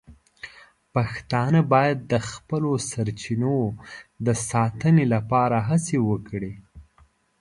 پښتانه باید د خپلو سرچینو د ساتنې لپاره هڅې وکړي.